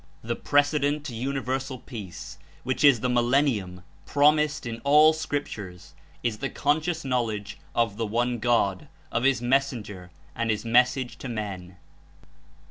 The precedent to universal peace, which Is the "millennium" promised In all scriptures. Is the conscious knowledge of the One God, of His Mes senger and His Message to men.